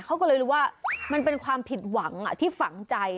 เขาก็เลยรู้ว่ามันเป็นความผิดหวังที่ฝังใจ